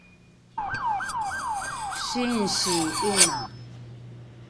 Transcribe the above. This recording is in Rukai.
singsi ’ina